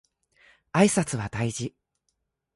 挨拶は大事